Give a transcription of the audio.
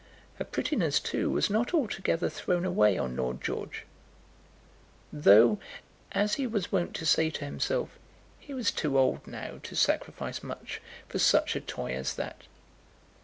Her prettiness too was not altogether thrown away on Lord George, though, as he was wont to say to himself, he was too old now to sacrifice much for such a toy as that.